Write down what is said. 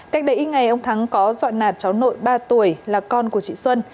cách đấy ngày ông thắng có dọa nạt cháu nội ba tuổi là con của chị xuân